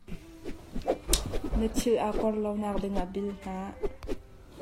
Na thil a kor lonak ding ah bil hna.